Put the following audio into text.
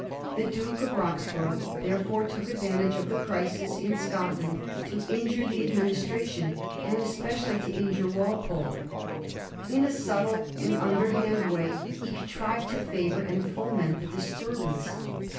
The Duke of Roxburgh therefore took advantage of the crisis in Scotland to injure the ad ministration, and especially to injure Walpole. In a subtle and underhand way he contrived to favour and foment the disturbance.